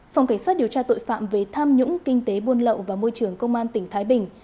phòng cảnh sát điều tra tội phạm về tham nhũng kinh tế buôn lậu và môi trường công an tỉnh thái bình